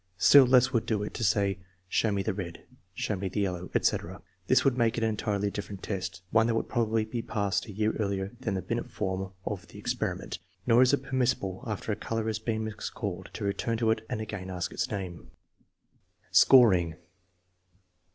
Still less would it do to say: " Show me the red," " Show me the yellow" etc. This would make it an entirely different test, one that would probably be passed a year earlier than the Binet form of the ex periment. Nor is it permissible, after a color has been mis called, to return to it and again ask its name. Scoring.